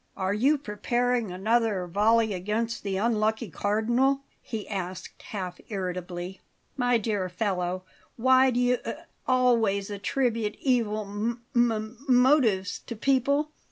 "Are you preparing another volley against that unlucky Cardinal?" he asked half irritably. "My dear fellow, why do you a a always attribute evil m m motives to people?